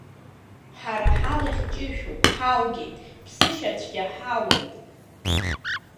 Ҳара ҳалахь ҷышәуп, ҳалгеит, ԥсышьа цәгьа ҳауеит.